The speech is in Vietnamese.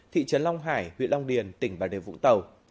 thị trấn long hải huyện long điền tỉnh bà đề vũng tàu